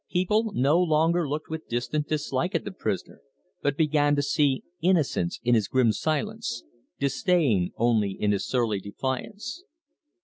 People no longer looked with distant dislike at the prisoner, but began to see innocence in his grim silence, disdain only in his surly defiance.